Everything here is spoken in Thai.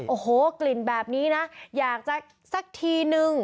โอ้โหกลิ่นแบบนี้นะอยากจะสักทีนึง